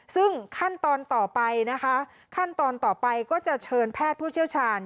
ซึ่งขั้นตอนต่อไปนะคะขั้นตอนต่อไปก็จะเชิญแพทย์ผู้เชี่ยวชาญ